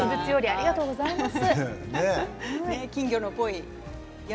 ありがとうございます。